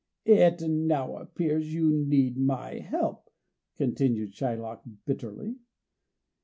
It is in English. "It now appears you need my help," continued Shylock bitterly.